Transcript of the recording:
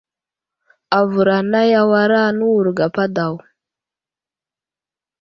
Avər anay awara, newuro gapa daw.